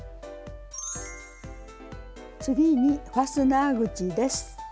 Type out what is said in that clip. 次にファスナー口です。